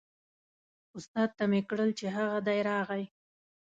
استاد ته مې کړل چې هغه دی راغی.